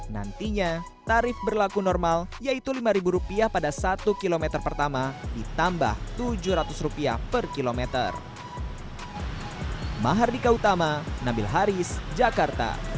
nantinya tarif berlaku normal yaitu rp lima pada satu km pertama ditambah rp tujuh ratus per kilometer